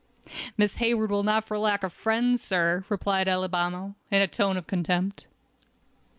"Miss Hayward will not lack for friends, sir!" replied Alibamo, in a tone of contempt.